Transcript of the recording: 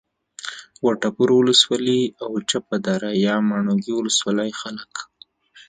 وټپور ولسوالي او چپه دره یا ماڼوګي ولسوالۍ خلک